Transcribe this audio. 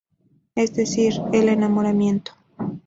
Es decir, el enamoramiento.